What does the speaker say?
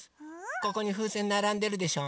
ここにふうせんならんでるでしょ？